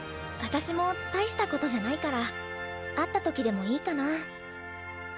私も大したことじゃないから会った時でもいいかな。